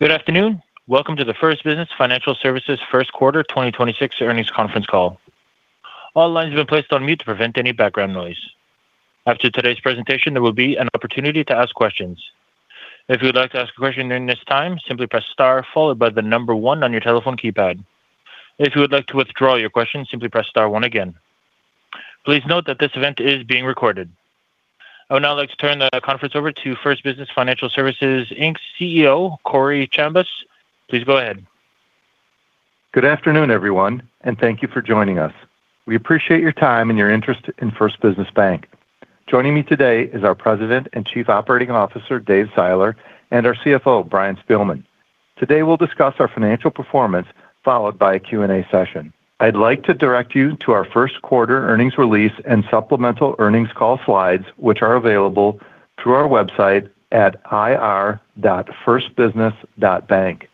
Good afternoon. Welcome to the First Business Financial Services first quarter 2026 earnings conference call. All lines have been placed on mute to prevent any background noise. After today's presentation, there will be an opportunity to ask questions. If you would like to ask a question during this time, simply press star followed by the number one on your telephone keypad. If you would like to withdraw your question, simply press star one again. Please note that this event is being recorded. I would now like to turn the conference over to First Business Financial Services, Inc. CEO Corey Chambas. Please go ahead. Good afternoon, everyone, and thank you for joining us. We appreciate your time and your interest in First Business Bank. Joining me today is our President and Chief Operating Officer, Dave Seiler, and our CFO, Brian Spielmann. Today we'll discuss our financial performance followed by a Q&A session. I'd like to direct you to our first quarter earnings release and supplemental earnings call slides, which are available through our website at ir.firstbusiness.bank.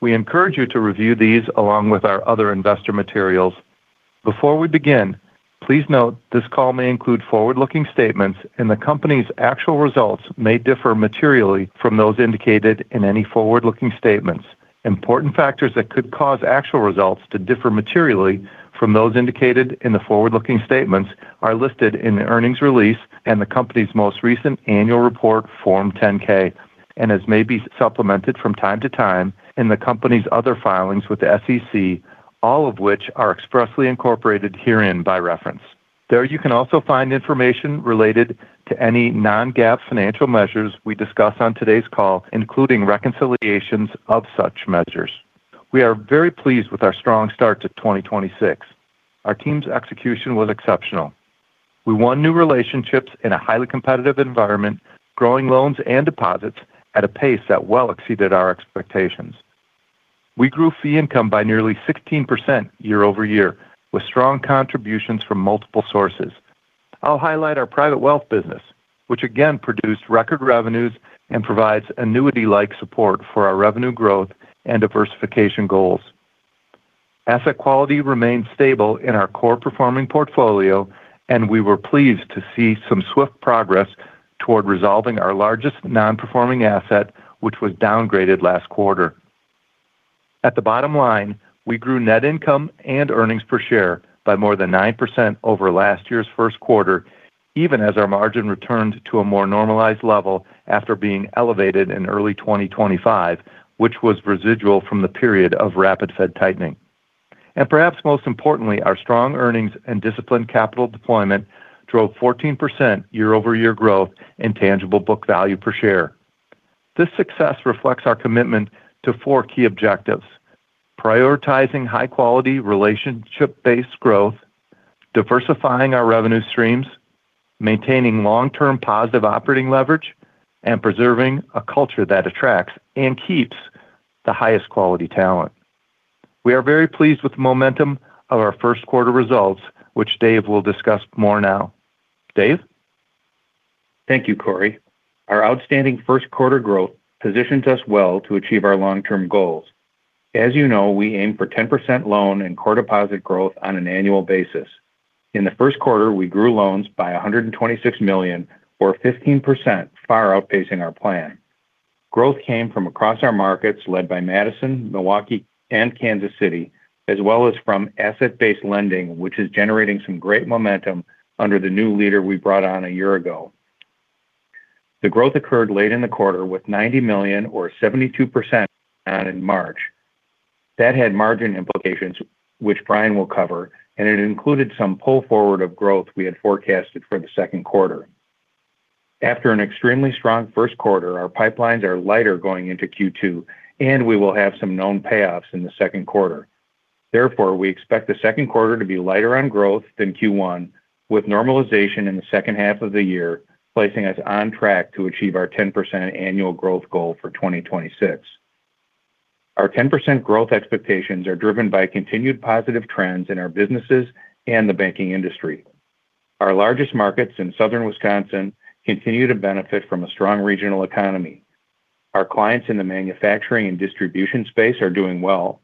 We encourage you to review these along with our other investor materials. Before we begin, please note this call may include forward-looking statements, and the company's actual results may differ materially from those indicated in any forward-looking statements. Important factors that could cause actual results to differ materially from those indicated in the forward-looking statements are listed in the earnings release and the company's most recent annual report, Form 10-K, and as may be supplemented from time to time in the company's other filings with the SEC, all of which are expressly incorporated herein by reference. There you can also find information related to any non-GAAP financial measures we discuss on today's call, including reconciliations of such measures. We are very pleased with our strong start to 2026. Our team's execution was exceptional. We won new relationships in a highly competitive environment, growing loans and deposits at a pace that well exceeded our expectations. We grew fee income by nearly 16% year-over-year with strong contributions from multiple sources. I'll highlight our private wealth business, which again produced record revenues and provides annuity-like support for our revenue growth and diversification goals. Asset quality remained stable in our core performing portfolio, and we were pleased to see some swift progress toward resolving our largest non-performing asset, which was downgraded last quarter. At the bottom line, we grew net income and earnings per share by more than 9% over last year's first quarter, even as our margin returned to a more normalized level after being elevated in early 2025, which was residual from the period of rapid Fed tightening. Perhaps most importantly, our strong earnings and disciplined capital deployment drove 14% year-over-year growth and tangible book value per share. This success reflects our commitment to four key objectives. Prioritizing high quality relationship-based growth, diversifying our revenue streams, maintaining long-term positive operating leverage, and preserving a culture that attracts and keeps the highest quality talent. We are very pleased with the momentum of our first quarter results, which Dave will discuss more now. Dave? Thank you, Corey. Our outstanding first quarter growth positions us well to achieve our long-term goals. As you know, we aim for 10% loan and core deposit growth on an annual basis. In the first quarter, we grew loans by $126 million or 15%, far outpacing our plan. Growth came from across our markets led by Madison, Milwaukee, and Kansas City, as well as from asset-based lending, which is generating some great momentum under the new leader we brought on a year ago. The growth occurred late in the quarter with $90 million or 72% in March. That had margin implications, which Brian will cover, and it included some pull forward of growth we had forecasted for the second quarter. After an extremely strong first quarter, our pipelines are lighter going into Q2, and we will have some known payoffs in the second quarter. Therefore, we expect the second quarter to be lighter on growth than Q1, with normalization in the second half of the year placing us on track to achieve our 10% annual growth goal for 2026. Our 10% growth expectations are driven by continued positive trends in our businesses and the banking industry. Our largest markets in Southern Wisconsin continue to benefit from a strong regional economy. Our clients in the manufacturing and distribution space are doing well.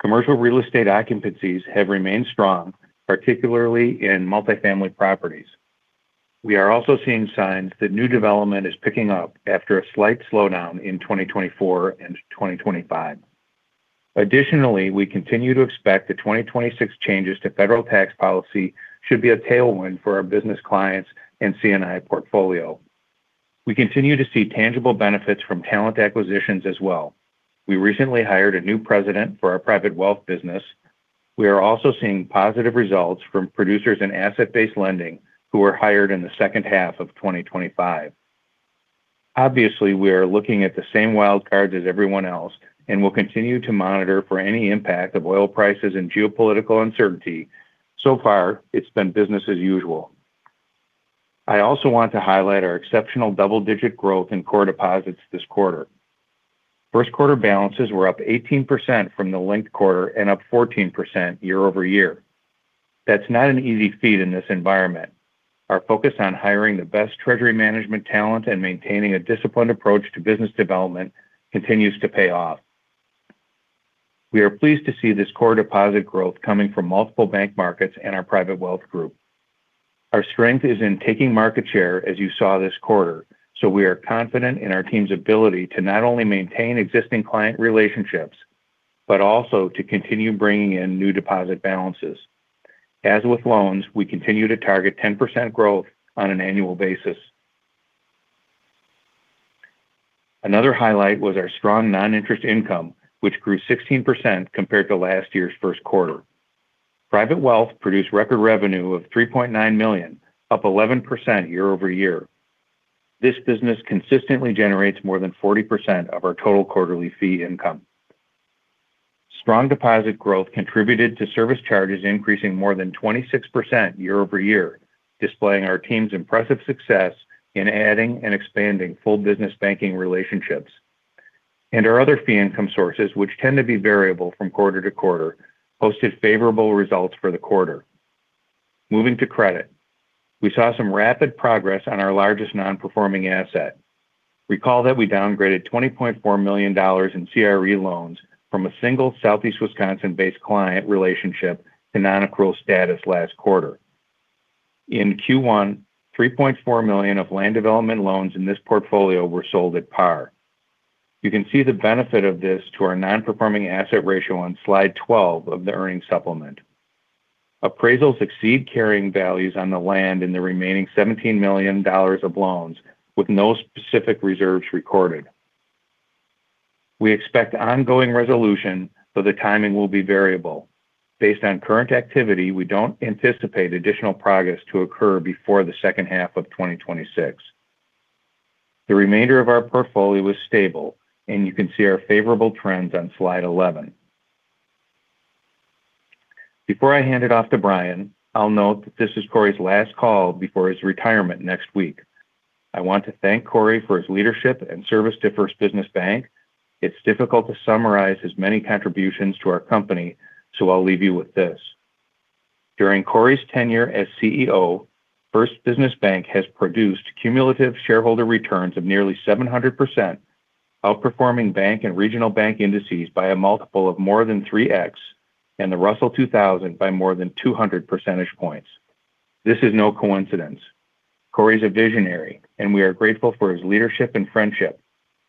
Commercial real estate occupancies have remained strong, particularly in multifamily properties. We are also seeing signs that new development is picking up after a slight slowdown in 2024 and 2025. Additionally, we continue to expect the 2026 changes to federal tax policy should be a tailwind for our business clients and C&I portfolio. We continue to see tangible benefits from talent acquisitions as well. We recently hired a new president for our private wealth business. We are also seeing positive results from producers in asset-based lending who were hired in the second half of 2025. Obviously, we are looking at the same wild cards as everyone else and will continue to monitor for any impact of oil prices and geopolitical uncertainty. So far, it's been business as usual. I also want to highlight our exceptional double-digit growth in core deposits this quarter. First quarter balances were up 18% from the linked quarter and up 14% year-over-year. That's not an easy feat in this environment. Our focus on hiring the best treasury management talent and maintaining a disciplined approach to business development continues to pay off. We are pleased to see this core deposit growth coming from multiple bank markets and our private wealth group. Our strength is in taking market share as you saw this quarter, so we are confident in our team's ability to not only maintain existing client relationships, but also to continue bringing in new deposit balances. As with loans, we continue to target 10% growth on an annual basis. Another highlight was our strong non-interest income, which grew 16% compared to last year's first quarter. Private wealth produced record revenue of $3.9 million, up 11% year-over-year. This business consistently generates more than 40% of our total quarterly fee income. Strong deposit growth contributed to service charges increasing more than 26% year-over-year, displaying our team's impressive success in adding and expanding First Business banking relationships. Our other fee income sources, which tend to be variable from quarter to quarter, posted favorable results for the quarter. Moving to credit. We saw some rapid progress on our largest non-performing asset. Recall that we downgraded $20.4 million in CRE loans from a single Southeast Wisconsin-based client relationship to non-accrual status last quarter. In Q1, $3.4 million of land development loans in this portfolio were sold at par. You can see the benefit of this to our non-performing asset ratio on slide 12 of the earnings supplement. Appraisals exceed carrying values on the land in the remaining $17 million of loans, with no specific reserves recorded. We expect ongoing resolution, though the timing will be variable. Based on current activity, we don't anticipate additional progress to occur before the second half of 2026. The remainder of our portfolio is stable, and you can see our favorable trends on slide 11. Before I hand it off to Brian, I'll note that this is Corey's last call before his retirement next week. I want to thank Corey for his leadership and service to First Business Bank. It's difficult to summarize his many contributions to our company, so I'll leave you with this. During Corey's tenure as CEO, First Business Bank has produced cumulative shareholder returns of nearly 700%, outperforming bank and regional bank indices by a multiple of more than 3x, and the Russell 2000 by more than 200 percentage points. This is no coincidence. Corey's a visionary, and we are grateful for his leadership and friendship.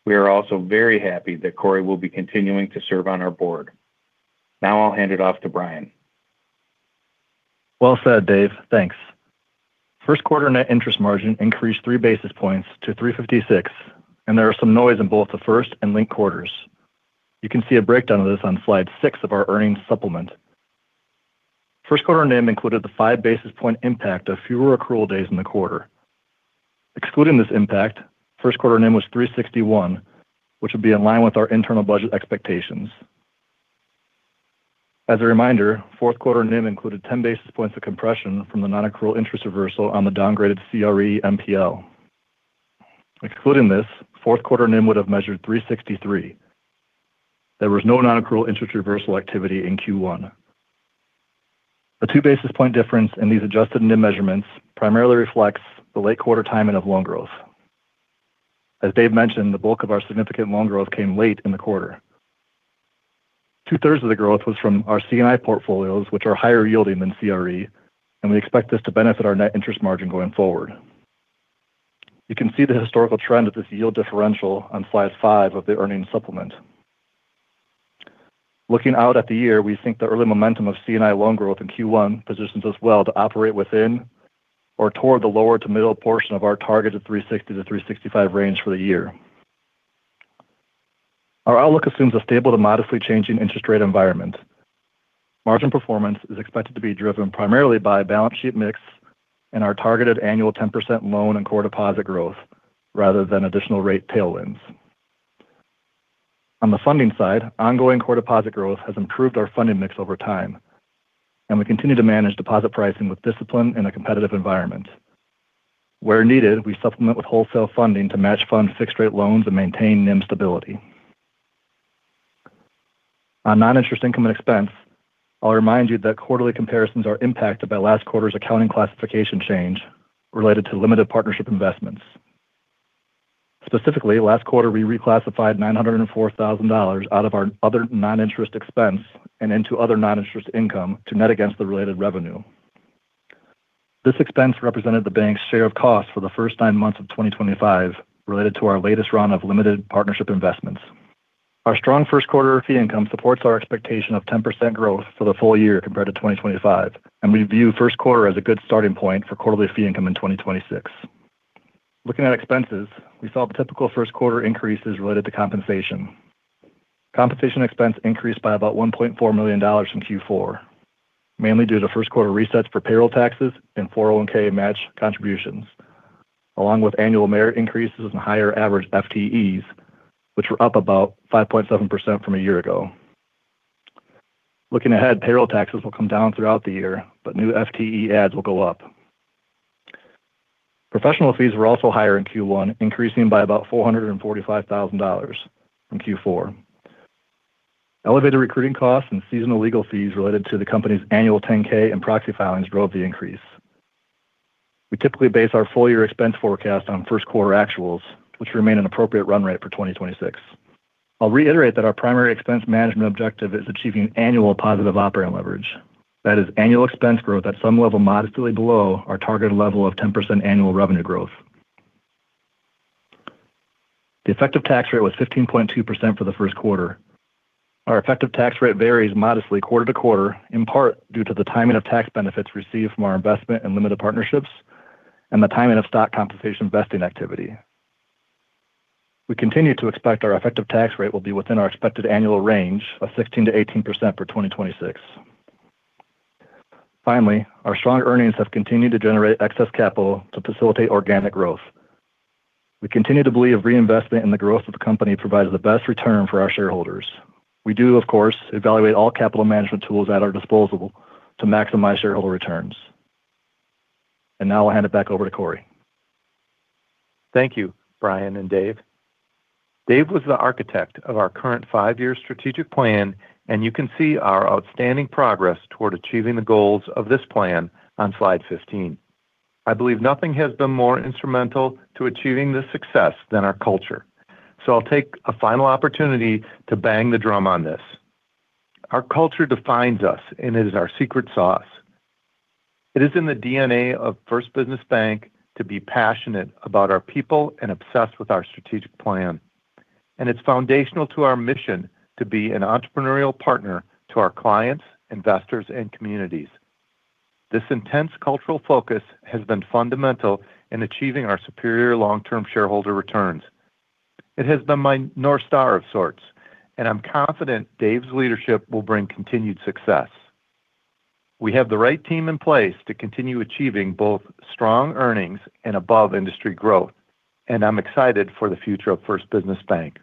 We are also very happy that Corey will be continuing to serve on our board. Now I'll hand it off to Brian. Well said, Dave. Thanks. First quarter net interest margin increased 3 basis points to 356, and there was some noise in both the first and linked quarters. You can see a breakdown of this on slide six of our earnings supplement. First quarter NIM included the 5 basis point impact of fewer accrual days in the quarter. Excluding this impact, first quarter NIM was 361, which would be in line with our internal budget expectations. As a reminder, fourth quarter NIM included 10 basis points of compression from the non-accrual interest reversal on the downgraded CRE NPL. Excluding this, fourth quarter NIM would have measured 363. There was no non-accrual interest reversal activity in Q1. The 2 basis point difference in these adjusted NIM measurements primarily reflects the late quarter timing of loan growth. As Dave mentioned, the bulk of our significant loan growth came late in the quarter. Two-thirds of the growth was from our C&I portfolios, which are higher yielding than CRE, and we expect this to benefit our net interest margin going forward. You can see the historical trend of this yield differential on slide five of the earnings supplement. Looking out at the year, we think the early momentum of C&I loan growth in Q1 positions us well to operate within or toward the lower to middle portion of our target of 360-365 range for the year. Our outlook assumes a stable to modestly changing interest rate environment. Margin performance is expected to be driven primarily by balance sheet mix and our targeted annual 10% loan and core deposit growth rather than additional rate tailwinds. On the funding side, ongoing core deposit growth has improved our funding mix over time, and we continue to manage deposit pricing with discipline in a competitive environment. Where needed, we supplement with wholesale funding to match fund fixed-rate loans and maintain NIM stability. On non-interest income and expense, I'll remind you that quarterly comparisons are impacted by last quarter's accounting classification change related to limited partnership investments. Specifically, last quarter, we reclassified $904,000 out of our other non-interest expense and into other non-interest income to net against the related revenue. This expense represented the bank's share of costs for the first nine months of 2025 related to our latest round of limited partnership investments. Our strong first quarter fee income supports our expectation of 10% growth for the full year compared to 2025, and we view first quarter as a good starting point for quarterly fee income in 2026. Looking at expenses, we saw typical first-quarter increases related to compensation. Compensation expense increased by about $1.4 million from Q4, mainly due to first-quarter resets for payroll taxes and 401(k) match contributions, along with annual merit increases and higher average FTEs, which were up about 5.7% from a year ago. Looking ahead, payroll taxes will come down throughout the year, but new FTE adds will go up. Professional fees were also higher in Q1, increasing by about $445,000 from Q4. Elevated recruiting costs and seasonal legal fees related to the company's annual 10-K and proxy filings drove the increase. We typically base our full year expense forecast on first quarter actuals, which remain an appropriate run rate for 2026. I'll reiterate that our primary expense management objective is achieving annual positive operating leverage. That is annual expense growth at some level modestly below our targeted level of 10% annual revenue growth. The effective tax rate was 15.2% for the first quarter. Our effective tax rate varies modestly quarter to quarter, in part due to the timing of tax benefits received from our investment in limited partnerships and the timing of stock compensation vesting activity. We continue to expect our effective tax rate will be within our expected annual range of 16%-18% for 2026. Finally, our strong earnings have continued to generate excess capital to facilitate organic growth. We continue to believe reinvestment in the growth of the company provides the best return for our shareholders. We do, of course, evaluate all capital management tools at our disposal to maximize shareholder returns. Now I'll hand it back over to Corey. Thank you, Brian and Dave. Dave was the architect of our current five-year strategic plan, and you can see our outstanding progress toward achieving the goals of this plan on slide 15. I believe nothing has been more instrumental to achieving this success than our culture. I'll take a final opportunity to bang the drum on this. Our culture defines us and is our secret sauce. It is in the DNA of First Business Bank to be passionate about our people and obsessed with our strategic plan. It's foundational to our mission to be an entrepreneurial partner to our clients, investors, and communities. This intense cultural focus has been fundamental in achieving our superior long-term shareholder returns. It has been my North Star of sorts, and I'm confident Dave's leadership will bring continued success. We have the right team in place to continue achieving both strong earnings and above-industry growth, and I'm excited for the future of First Business Bank.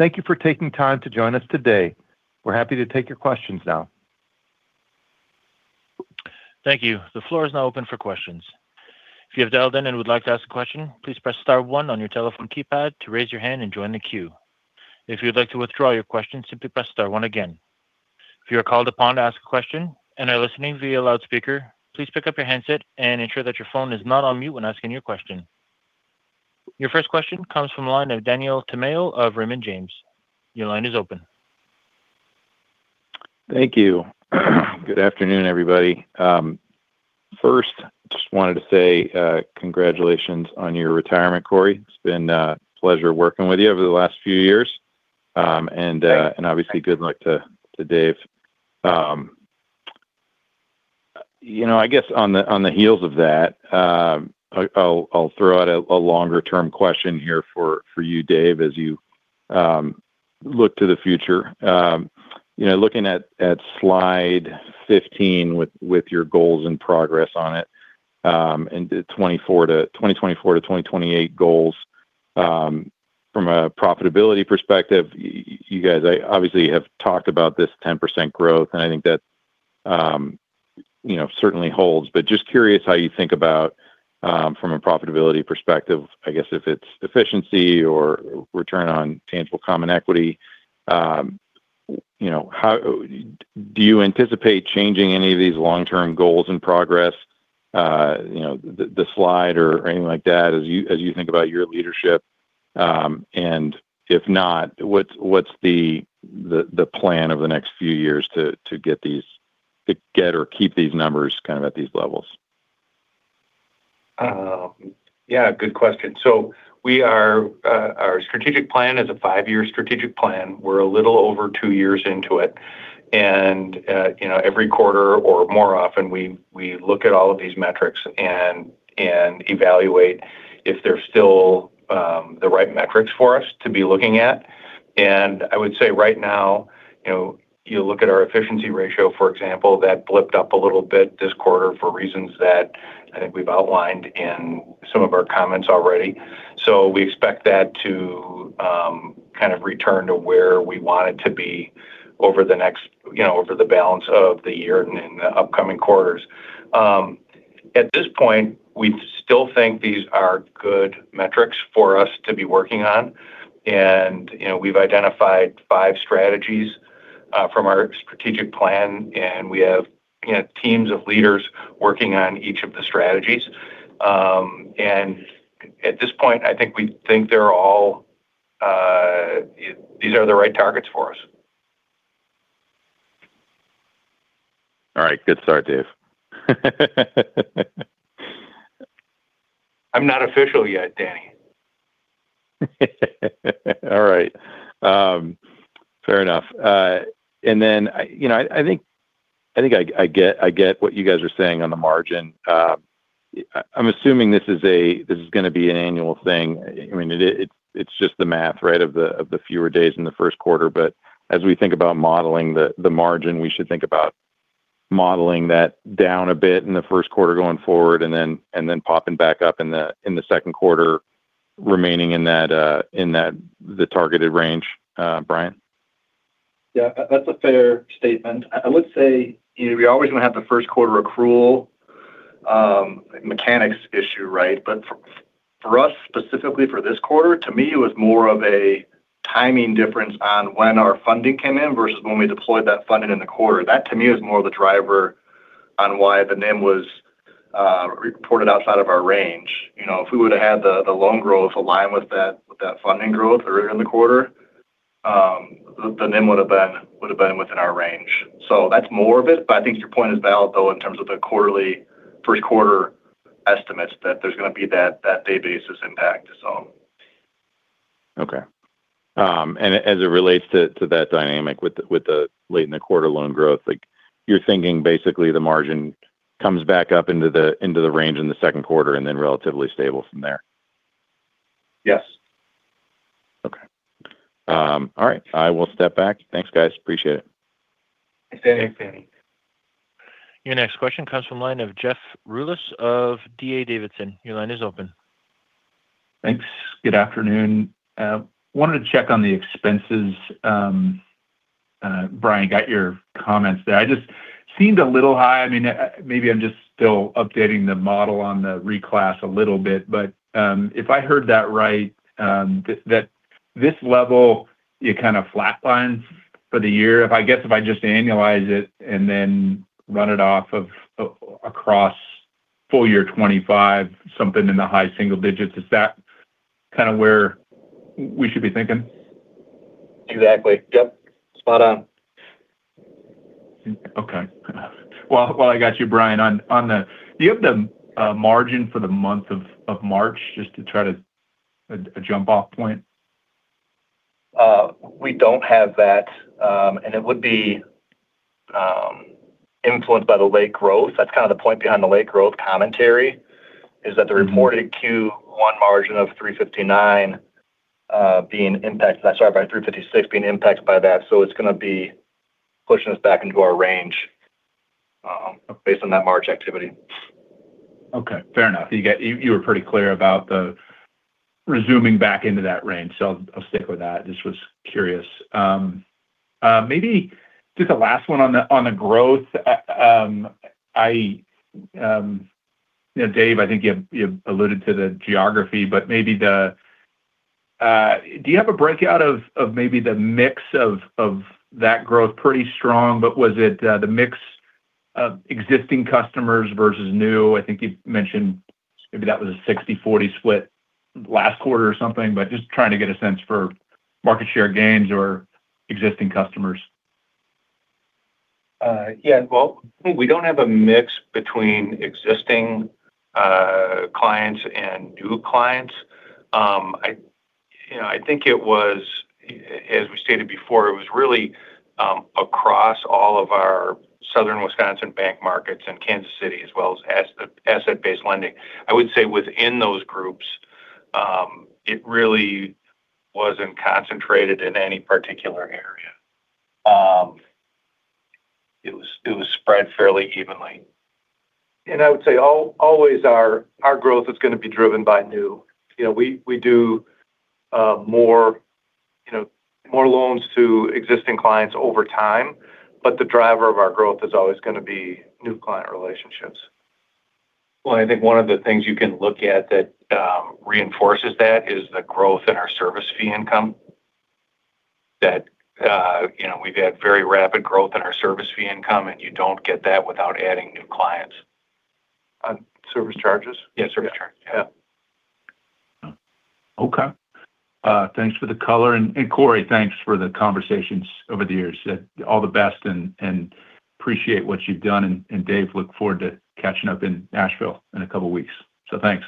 Thank you for taking time to join us today. We're happy to take your questions now. Thank you. The floor is now open for questions. If you have dialed in and would like to ask a question, please press star one on your telephone keypad to raise your hand and join the queue. If you would like to withdraw your question, simply press star one again. If you are called upon to ask a question and are listening via loudspeaker, please pick up your handset and ensure that your phone is not on mute when asking your question. Your first question comes from the line of Daniel Tamayo of Raymond James. Your line is open. Thank you. Good afternoon, everybody. First, just wanted to say congratulations on your retirement, Corey. It's been a pleasure working with you over the last few years. Great. Obviously good luck to Dave. I guess on the heels of that, I'll throw out a longer-term question here for you, Dave, as you look to the future. Looking at slide 15 with your goals and progress on it and the 2024-2028 goals. From a profitability perspective, you guys obviously have talked about this 10% growth, and I think that certainly holds, but just curious how you think about from a profitability perspective, I guess if it's efficiency or return on tangible common equity. Do you anticipate changing any of these long-term goals and progress, the slide or anything like that as you think about your leadership? If not, what's the plan over the next few years to get or keep these numbers kind of at these levels? Yeah, good question. Our strategic plan is a five-year strategic plan. We're a little over two years into it. Every quarter or more often, we look at all of these metrics and evaluate if they're still the right metrics for us to be looking at. I would say right now, you look at our efficiency ratio, for example, that blipped up a little bit this quarter for reasons that I think we've outlined in some of our comments already. We expect that to kind of return to where we want it to be over the balance of the year and in the upcoming quarters. At this point, we still think these are good metrics for us to be working on. We've identified five strategies from our strategic plan, and we have teams of leaders working on each of the strategies. At this point, I think we think these are the right targets for us. All right. Good start, Dave. I'm not official yet, Daniel. All right. Fair enough. Then I think I get what you guys are saying on the margin. I'm assuming this is going to be an annual thing. It's just the math of the fewer days in the first quarter. As we think about modeling the margin, we should think about modeling that down a bit in the first quarter going forward and then popping back up in the second quarter remaining in the targeted range. Brian? Yeah. That's a fair statement. I would say we're always going to have the first quarter accrual mechanics issue. For us specifically for this quarter, to me, it was more of a timing difference on when our funding came in versus when we deployed that funding in the quarter. That to me is more of the driver on why the NIM was reported outside of our range. If we would've had the loan growth align with that funding growth earlier in the quarter, the NIM would've been within our range. That's more of it, but I think your point is valid though, in terms of the first quarter estimates that there's going to be that day basis impact. Okay. As it relates to that dynamic with the late in the quarter loan growth, like you're thinking basically the margin comes back up into the range in the second quarter and then relatively stable from there. Yes. Okay. All right. I will step back. Thanks, guys. Appreciate it. Thanks, Daniel. Your next question comes from the line of Jeff Rulis of D.A. Davidson. Your line is open. Thanks. Good afternoon. I wanted to check on the expenses. Brian, got your comments there. It just seemed a little high. Maybe I'm just still updating the model on the reclass a little bit. If I heard that right, that this level, you kind of flatline for the year. I guess if I just annualize it and then run it out across full year 2025, something in the high single digits. Is that kind of where we should be thinking? Exactly. Yep. Spot on. Okay. While I got you, Brian, do you have the margin for the month of March just to try to get a jumping-off point? We don't have that. It would be influenced by the loan growth. That's kind of the point behind the loan growth commentary is that the reported Q1 margin of 3.59% being impacted, sorry, by 3.56% being impacted by that. It's going to be pushing us back into our range based on that March activity. Okay. Fair enough. You were pretty clear about the resuming back into that range, so I'll stick with that. Just was curious. Maybe just a last one on the growth. Dave, I think you alluded to the geography, but do you have a breakout of maybe the mix of that growth pretty strong, but was it the mix of existing customers versus new? I think you mentioned maybe that was a 60-40 split last quarter or something. Just trying to get a sense for market share gains or existing customers. Yeah. Well, we don't have a mix between existing clients and new clients. I think as we stated before, it was really across all of our Southern Wisconsin bank markets and Kansas City, as well as asset-based lending. I would say within those groups, it really wasn't concentrated in any particular area. It was spread fairly evenly. I would say always our growth is going to be driven by new. We do more loans to existing clients over time. The driver of our growth is always going to be new client relationships. Well, I think one of the things you can look at that reinforces that is the growth in our service fee income. That we've had very rapid growth in our service fee income, and you don't get that without adding new clients. Service charges? Yeah, service charge. Yeah. Okay. Thanks for the color. Corey, thanks for the conversations over the years. All the best. I appreciate what you've done. Dave, I look forward to catching up in Nashville in a couple of weeks. Thanks.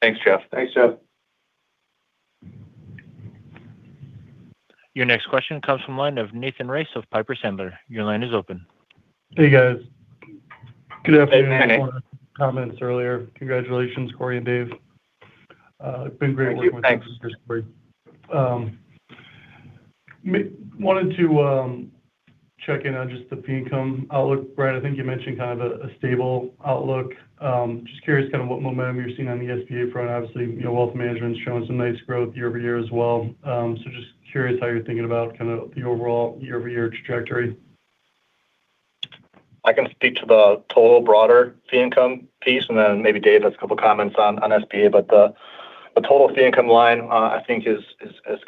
Thanks, Jeff. Thanks, Jeff. Your next question comes from the line of Nathan Race of Piper Sandler. Your line is open. Hey, guys. Good afternoon. Hey, Nathan. Thanks for the comments earlier. Congratulations, Corey and Dave. It's been great working with you. Thank you. Thanks. Wanted to check in on just the fee income outlook. Brian, I think you mentioned kind of a stable outlook. Just curious kind of what momentum you're seeing on the SBA front. Obviously, wealth management's showing some nice growth year-over-year as well. Just curious how you're thinking about kind of the overall year-over-year trajectory. I can speak to the total broader fee income piece, and then maybe Dave has a couple comments on SBA. The total fee income line, I think is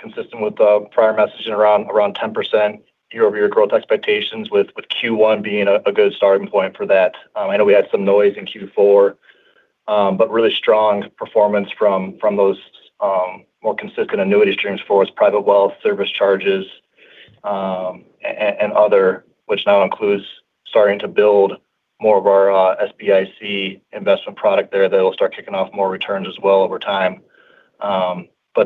consistent with the prior messaging around 10% year-over-year growth expectations with Q1 being a good starting point for that. I know we had some noise in Q4. Really strong performance from those more consistent annuity streams for us, private wealth, service charges, and other, which now includes starting to build more of our SBIC investment product there that'll start kicking off more returns as well over time.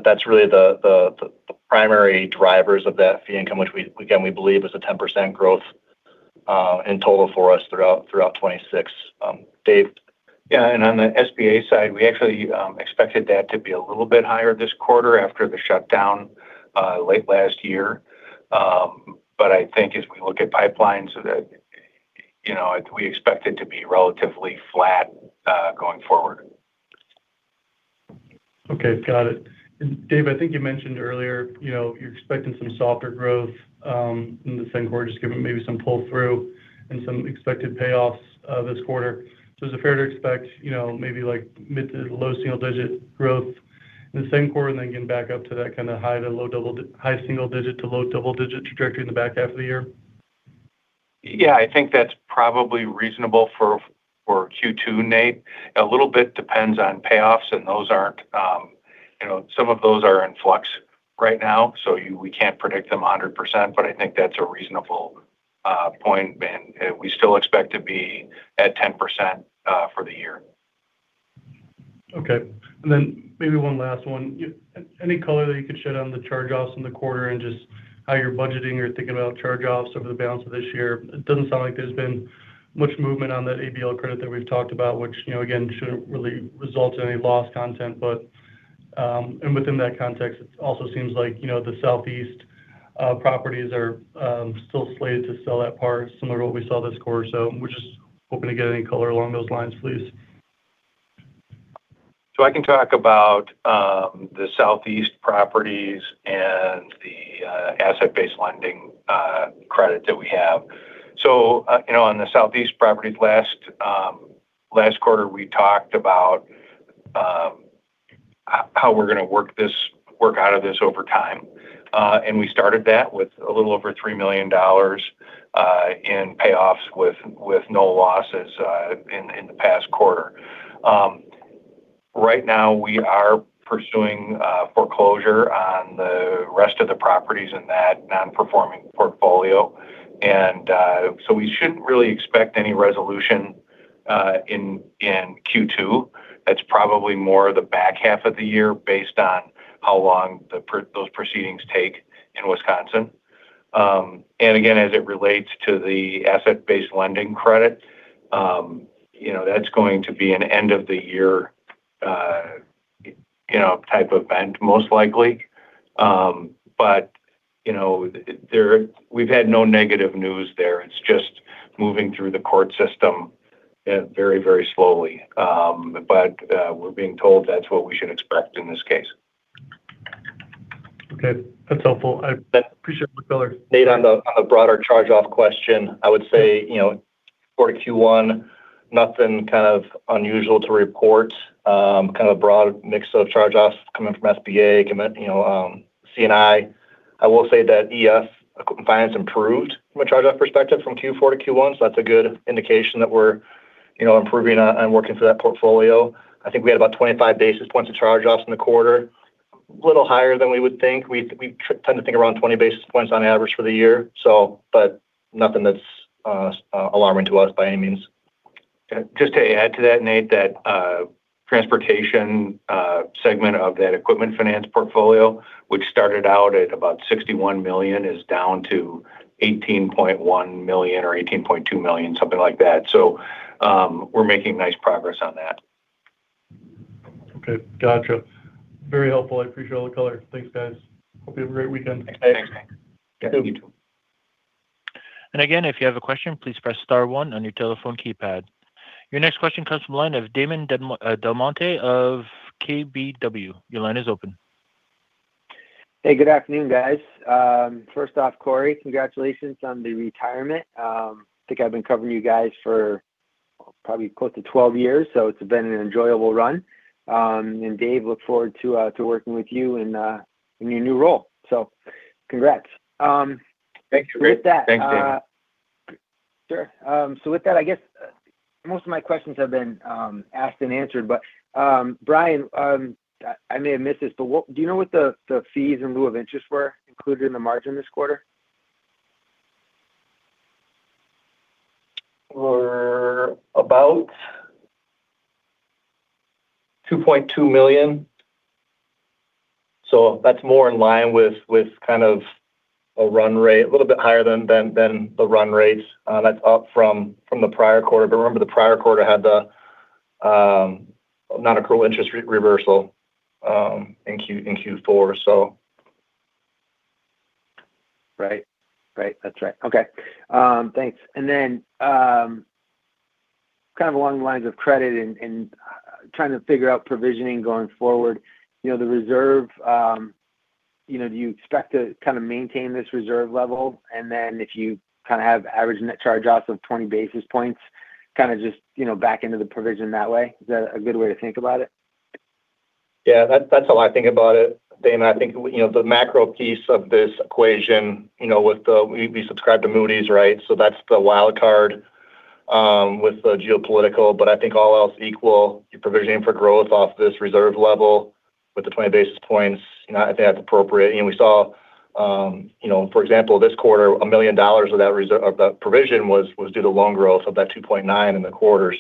That's really the primary drivers of that fee income, which again, we believe is a 10% growth, in total for us throughout 2026. Dave. Yeah, on the SBA side, we actually expected that to be a little bit higher this quarter after the shutdown late last year. I think as we look at pipelines, we expect it to be relatively flat going forward. Okay. Got it. Dave, I think you mentioned earlier you're expecting some softer growth in the same quarter, just given maybe some pull-through and some expected payoffs this quarter. Is it fair to expect maybe like mid to low single-digit growth in the same quarter and then getting back up to that kind of high single digit to low double-digit trajectory in the back half of the year? Yeah, I think that's probably reasonable for Q2, Nate. A little bit depends on payoffs, and some of those are in flux right now, so we can't predict them 100%, but I think that's a reasonable point, and we still expect to be at 10% for the year. Okay. Maybe one last one. Any color that you could shed on the charge-offs in the quarter and just how you're budgeting or thinking about charge-offs over the balance of this year? It doesn't sound like there's been much movement on that ABL credit that we've talked about, which, again, shouldn't really result in any lost content. Within that context, it also seems like the Southeast properties are still slated to sell at par, similar to what we saw this quarter. We're just hoping to get any color along those lines, please. I can talk about the Southeast properties and the asset-based lending credit that we have. On the Southeast properties last quarter, we talked about how we're going to work out of this over time. We started that with a little over $3 million in payoffs with no losses in the past quarter. Right now, we are pursuing foreclosure on the rest of the properties in that non-performing portfolio. We shouldn't really expect any resolution in Q2. That's probably more the back half of the year based on how long those proceedings take in Wisconsin. Again, as it relates to the asset-based lending credit, that's going to be an end of the year type event most likely. We've had no negative news there. It's just moving through the court system very slowly. We're being told that's what we should expect in this case. Okay. That's helpful. I appreciate the color. Nate, on the broader charge-off question, I would say for Q1, nothing kind of unusual to report. Kind of a broad mix of charge-offs coming from SBA, C&I. I will say that EF Equipment Finance improved from a charge-off perspective from Q4 to Q1. That's a good indication that we're improving and working through that portfolio. I think we had about 25 basis points of charge-offs in the quarter. A little higher than we would think. We tend to think around 20 basis points on average for the year. Nothing that's alarming to us by any means. Just to add to that, Nate, that transportation segment of that Equipment Finance portfolio, which started out at about $61 million, is down to $18.1 million or $18.2 million, something like that. We're making nice progress on that. Okay. Gotcha. Very helpful. I appreciate all the color. Thanks, guys. Hope you have a great weekend. Thanks. Thanks. Yeah, you too. Again, if you have a question, please press star one on your telephone keypad. Your next question comes from the line of Damon DelMonte of KBW. Your line is open. Hey, good afternoon, guys. First off, Corey, congratulations on the retirement. I think I've been covering you guys for probably close to 12 years, so it's been an enjoyable run. Dave, look forward to working with you in your new role. Congrats. Thanks. With that. Thanks, Damon. Sure. With that, I guess most of my questions have been asked and answered. Brian, I may have missed this, but do you know what the fees in lieu of interest were included in the margin this quarter? We're about $2.2 million. That's more in line with kind of a run rate, a little bit higher than the run rates. That's up from the prior quarter. Remember, the prior quarter had the non-accrual interest reversal in Q4, so. Right. That's right. Okay. Thanks. Kind of along the lines of credit and trying to figure out provisioning going forward, the reserve, do you expect to kind of maintain this reserve level? If you kind of have average net charge-offs of 20 basis points, kind of just back into the provision that way? Is that a good way to think about it? Yeah, that's how I think about it, Damon. I think the macro piece of this equation, we subscribe to Moody's, right? That's the wild card with the geopolitical, but I think all else equal, you're provisioning for growth off this reserve level with the 20 basis points, if that's appropriate. We saw, for example, this quarter, $1 million of that provision was due to loan growth, so that 2.9% in the quarter.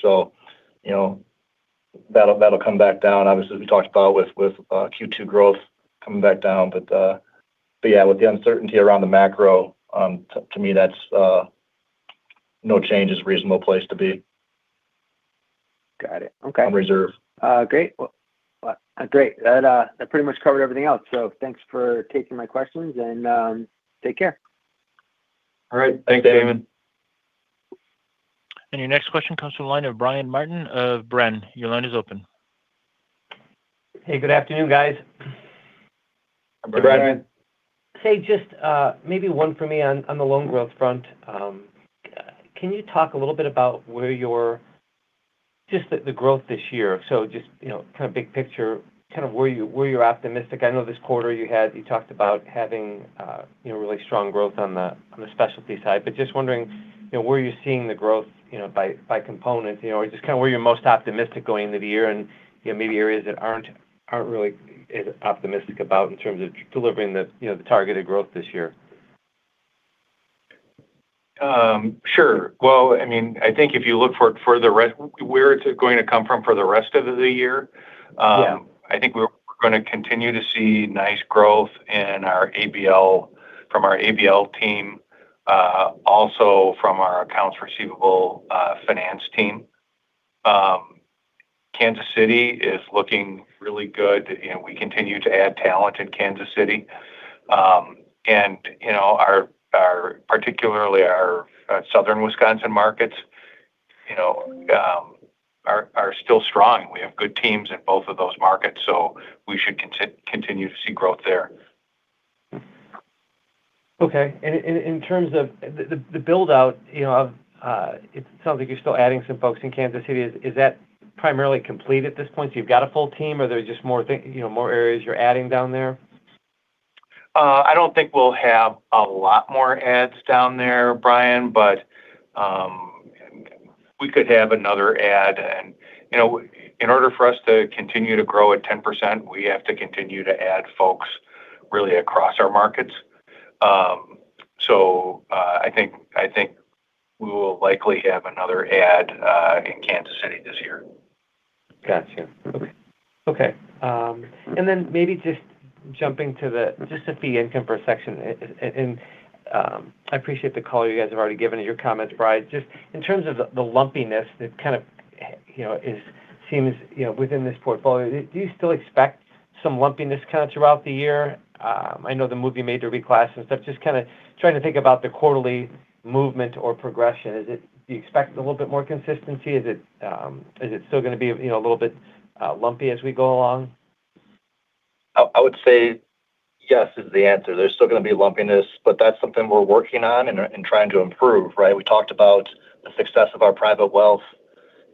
That'll come back down. Obviously, we talked about with Q2 growth coming back down. Yeah, with the uncertainty around the macro, to me that's no change is a reasonable place to be. Got it. Okay. On reserve. Great. That pretty much covered everything else. Thanks for taking my questions, and take care. All right. Thanks, Damon. Your next question comes from the line of Brian Martin of Janney. Your line is open. Hey, good afternoon, guys. Good afternoon. Say, just maybe one for me on the loan growth front. Can you talk a little bit about just the growth this year? Just kind of big picture, kind of where you're optimistic. I know this quarter you talked about having really strong growth on the specialty side, but just wondering where you're seeing the growth by components, or just kind of where you're most optimistic going into the year and maybe areas that aren't really as optimistic about in terms of delivering the targeted growth this year. Sure. Well, I think if you look for where it's going to come from for the rest of the year. Yeah I think we're going to continue to see nice growth from our ABL team, also from our accounts receivable finance team. Kansas City is looking really good, and we continue to add talent in Kansas City. Particularly our southern Wisconsin markets are still strong. We have good teams in both of those markets, so we should continue to see growth there. Okay. In terms of the build-out, it sounds like you're still adding some folks in Kansas City. Is that primarily complete at this point? You've got a full team or are there just more areas you're adding down there? I don't think we'll have a lot more adds down there, Brian, but we could have another add. In order for us to continue to grow at 10%, we have to continue to add folks really across our markets. I think we will likely have another add in Kansas City this year. Got you. Okay. Maybe just jumping to the fee income perspective. I appreciate the color you guys have already given in your comments, right? Just in terms of the lumpiness that kind of seems within this portfolio, do you still expect some lumpiness kind of throughout the year? I know the non-major reclass and stuff, just kind of trying to think about the quarterly movement or progression. Do you expect a little bit more consistency? Is it still going to be a little bit lumpy as we go along? I would say yes is the answer. There's still going to be lumpiness, but that's something we're working on and trying to improve, right? We talked about the success of our private wealth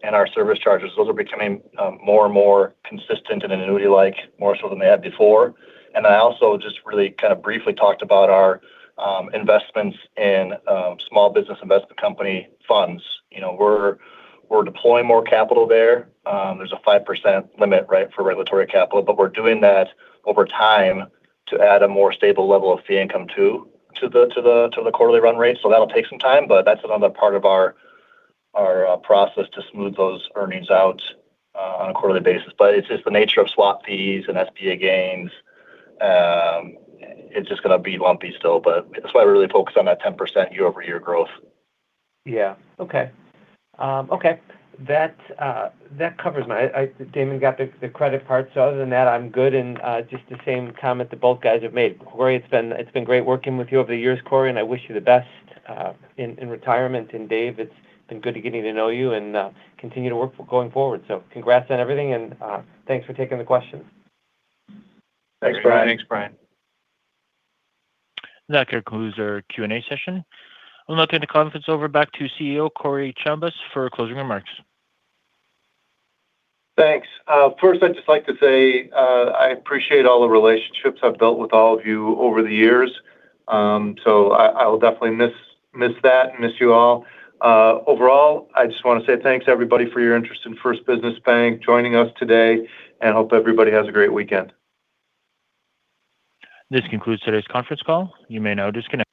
and our service charges. Those are becoming more and more consistent in an annuity-like, more so than they had before. I also just really kind of briefly talked about our investments in Small Business Investment Company funds. We're deploying more capital there. There's a 5% limit for regulatory capital, but we're doing that over time to add a more stable level of fee income too, to the quarterly run rate. That'll take some time, but that's another part of our process to smooth those earnings out on a quarterly basis. It's just the nature of swap fees and SBA gains. It's just going to be lumpy still, but that's why we're really focused on that 10% year-over-year growth. Yeah. Okay. That covers. Damon got the credit part. Other than that, I'm good. Just the same comment that both guys have made. Corey, it's been great working with you over the years, Corey, and I wish you the best in retirement. Dave, it's been good getting to know you and continue to work going forward. Congrats on everything, and thanks for taking the questions. Thanks, Brian. Thanks Brian. That concludes our Q&A session. I'll now turn the conference over back to CEO Corey Chambas for closing remarks. Thanks. First, I'd just like to say I appreciate all the relationships I've built with all of you over the years. I will definitely miss that and miss you all. Overall, I just want to say thanks everybody for your interest in First Business Bank, joining us today, and hope everybody has a great weekend. This concludes today's conference call. You may now disconnect.